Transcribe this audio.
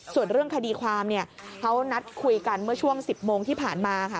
ส่วนเรื่องคดีความเนี่ยเขานัดคุยกันเมื่อช่วง๑๐โมงที่ผ่านมาค่ะ